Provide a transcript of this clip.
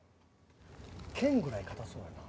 剣ぐらい硬そうやな。